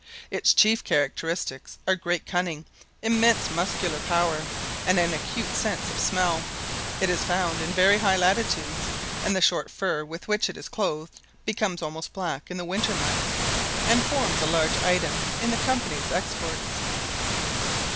Its chief characteristics are great cunning, immense muscular power, and an acute sense of smell. It is found in very high latitudes; and the short fur with which it is clothed becomes almost black in the winter months, and forms a large item in the Company's exports.